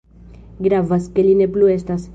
Gravas, ke li ne plu estas.